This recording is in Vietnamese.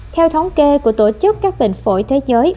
theo thống kê của tổ chức các bệnh phổi thế giới